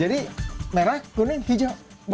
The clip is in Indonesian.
jadi merah kuning hijau